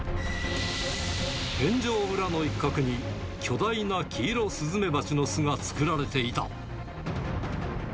天井裏の一角に、巨大なキイロスズメバチの巣が作られていた。